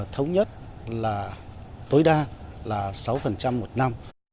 thống nhất là tối đa là sáu một năm